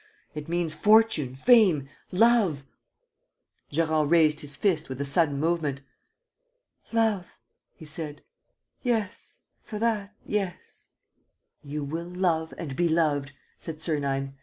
It means fortune, fame, love. ..." Gérard raised his fist with a sudden movement. "Love," he said, "yes ... for that, yes. ..." "You will love and be loved," said Sernine.